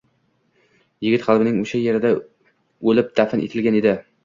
yigit qalbining oʼsha yerida oʼlib, dafn etilgan edi.